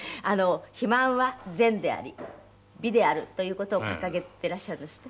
「肥満は善であり美である」という事を掲げていらっしゃるんですって？